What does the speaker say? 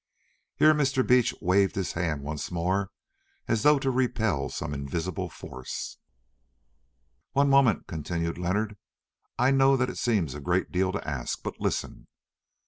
Here Mr. Beach waved his hand once more as though to repel some invisible force. "One moment," continued Leonard. "I know that it seems a great deal to ask, but listen.